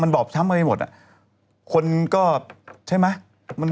มันบอบช้ำไปหมดคนก็ใช่ไหม